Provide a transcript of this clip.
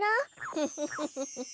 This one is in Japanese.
フフフフフ。